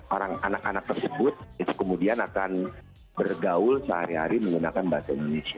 orang anak anak tersebut itu kemudian akan bergaul sehari hari menggunakan bahasa indonesia